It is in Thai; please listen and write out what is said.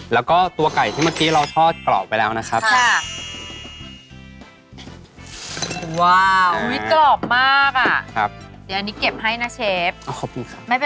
แล้วก็ตัวไก่ที่เมื่อกี้เราทอดกรอบไปแล้วนะครับนะครับใช่ค่ะ